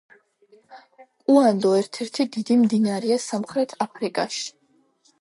კუანდო ერთ-ერთი დიდი მდინარეა სამხრეთ აფრიკაში.